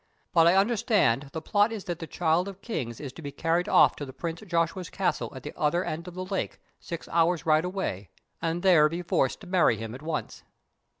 But I understand the plot is that the Child of Kings is to be carried off to the Prince Joshua's castle at the other end of the lake, six hours' ride away, and there be forced to marry him at once."